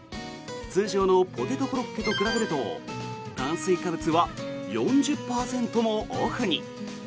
通常のポテトコロッケと比べると炭水化物は４０％もオフに。